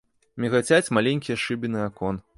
Мігацяць маленькія шыбіны акон.